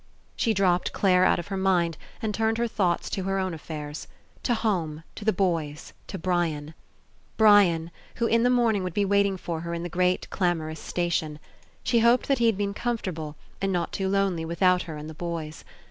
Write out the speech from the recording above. She dropped Clare out of her mind and turned her thoughts to her own affairs. To home, to the boys, to Brian. Brian, who in the morning would be waiting for her in the great clamourous station. She hoped that he had been 83 PASSING comfortable and not too lonely without her and the boys.